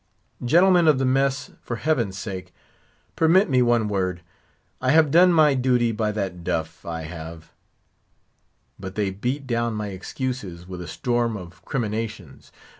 "Gentlemen of the mess, for heaven's sake! permit me one word. I have done my duty by that duff—I have——" But they beat down my excuses with a storm of criminations.